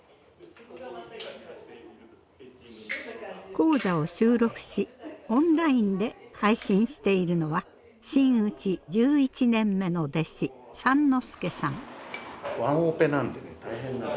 高座を収録しオンラインで配信しているのは真打ち１１年目の弟子三之助さん。